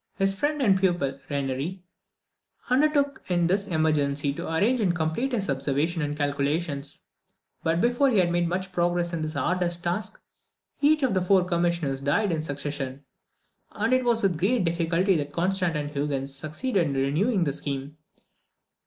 His friend and pupil, Renieri, undertook in this emergency to arrange and complete his observations and calculations; but before he had made much progress in the arduous task, each of the four commissioners died in succession, and it was with great difficulty that Constantine Huygens succeeded in renewing the scheme.